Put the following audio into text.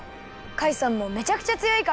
カイさんもめちゃくちゃつよいから！